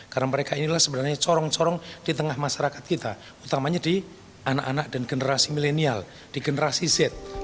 karena mereka inilah sebenarnya corong corong di tengah masyarakat kita utamanya di anak anak dan generasi milenial di generasi z